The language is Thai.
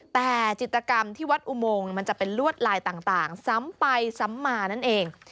แต่จิตกรรมที่วัดอุโมงมันจะเป็นลวดลายต่างซ้ำไปซ้ำมานั่นเอง